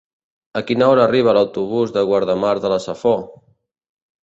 A quina hora arriba l'autobús de Guardamar de la Safor?